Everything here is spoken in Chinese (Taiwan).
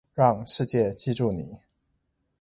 讓世界記住你